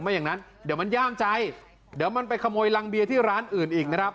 อย่างนั้นเดี๋ยวมันย่ามใจเดี๋ยวมันไปขโมยรังเบียร์ที่ร้านอื่นอีกนะครับ